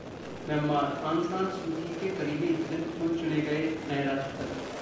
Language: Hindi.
Myanmar: Aung San Suu Kyi के करीबी ह्तिन क्यॉ चुने गए नए राष्ट्रपति